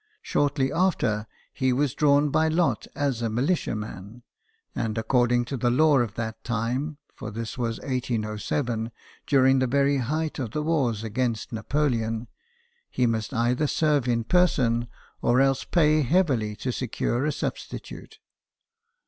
Shortly after, he was drawn by lot as a militiaman ; and according to the law of that time (for this was in 1807, during the very height of the wars against Napoleon) he must either serve in person or else pay heavily to secure a substitute.